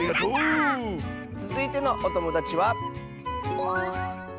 つづいてのおともだちは。